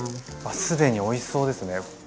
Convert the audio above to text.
既においしそうですね。